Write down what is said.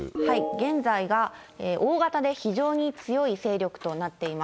現在が大型で非常に強い勢力となっています。